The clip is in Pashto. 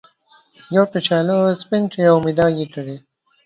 یو کچالو سپین کړئ او میده یې کړئ.